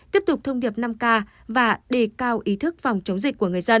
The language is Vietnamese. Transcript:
tiếp tục thông điệp năm k và đề cao ý thức phòng chống dịch của người dân